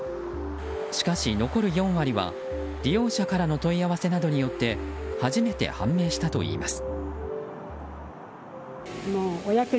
しかし、残る４割は利用者からの問い合わせなどによって初めて判明したといいます。